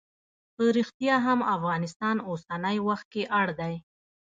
په ریښتیا هم افغانستان اوسنی وخت کې اړ دی.